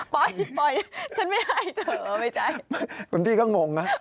ปล่อยฉันไม่ให้เธอไม่ใช่คุณพี่ก็งงนะ